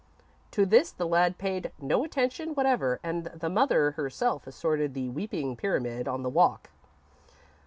To this the lad paid no attention whatever, and the mother herself assorted the weeping pyramid on the walk.